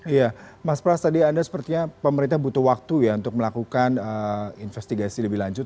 iya mas pras tadi anda sepertinya pemerintah butuh waktu ya untuk melakukan investigasi lebih lanjut